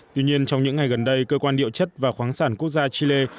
tuy nhiên trong những ngày gần đây cơ quan địa chất và khoáng sản quốc gia chile